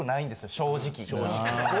正直。